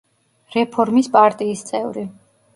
რეფორმის პარტიის წევრი.